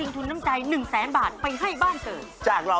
สวัสดีค่ะ